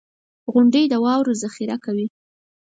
• غونډۍ د واورو ذخېره کوي.